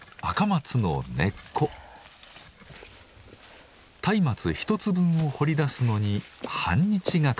松明１つ分を掘り出すのに半日がかり。